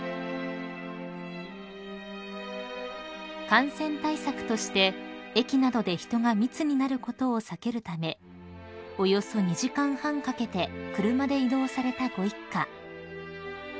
［感染対策として駅などで人が密になることを避けるためおよそ２時間半かけて車で移動されたご一家］